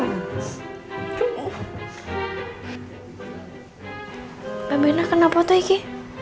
mbak bina kenapa tuh ini